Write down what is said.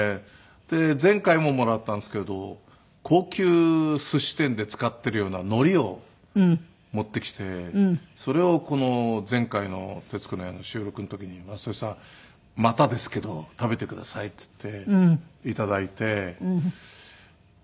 前回ももらったんですけど高級すし店で使っているような海苔を持ってきてそれを前回の『徹子の部屋』の収録の時に「雅俊さんまたですけど食べてください」って言って頂いて。